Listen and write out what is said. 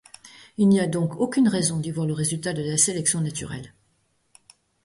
Il n'y a donc aucune raison d'y voir le résultat de la sélection naturelle.